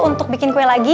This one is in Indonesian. untuk bikin kue lagi